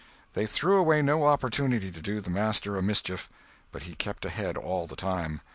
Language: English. They threw away no opportunity to do the master a mischief. But he kept ahead all the time.